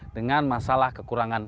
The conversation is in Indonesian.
dengan masalah kekurangan